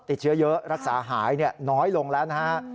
ติดเชื้อเยอะรักษาหายน้อยลงแล้วนะฮะ